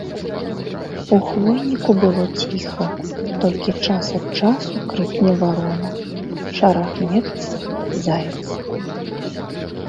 У хвойніку было ціха, толькі час ад часу крыкне варона, шарахнецца заяц.